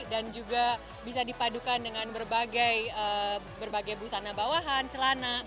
juga bisa dipadukan dengan berbagai busana bawahan celana